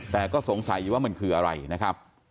แต่ก็สงสัยอยู่ว่ามันคืออะไรนะครับ